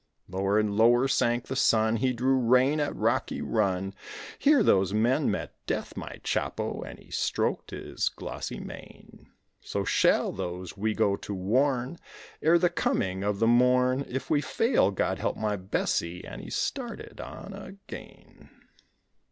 Lower and lower sank the sun; He drew rein at Rocky Run; "Here those men met death, my Chapo," and he stroked his glossy mane; "So shall those we go to warn Ere the coming of the morn If we fail, God help my Bessie," and he started on again.